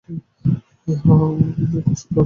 হ্যাঁ, প্রশ্নটা অবশ্যম্ভাবীই ছিল।